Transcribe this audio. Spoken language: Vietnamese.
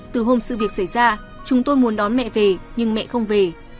từ hôm sự việc xảy ra chúng tôi muốn đón mẹ về nhưng mẹ không về